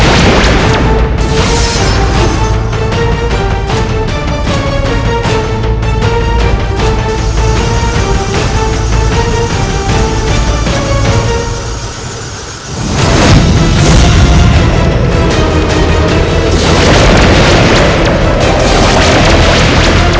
kau tidak akan bisa menghindar dari jurus ini